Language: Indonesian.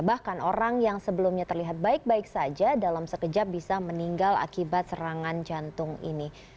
bahkan orang yang sebelumnya terlihat baik baik saja dalam sekejap bisa meninggal akibat serangan jantung ini